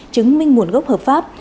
chứng minh nguồn gốc hợp pháp